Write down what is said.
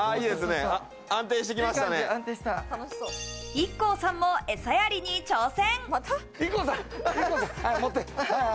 ＩＫＫＯさんも、エサやりに挑戦。